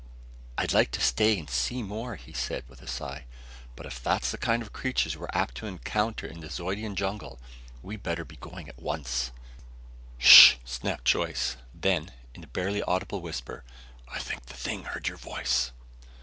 "I'd like to stay and see more," he said with a sigh, "but if that's the kind of creatures we're apt to encounter in the Zeudian jungle, we'd better be going at once " "Sh h!" snapped Joyce. Then, in a barely audible whisper: "I think the thing heard your voice!"